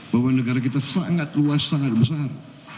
bahwa negara kita sangat luas sangat besar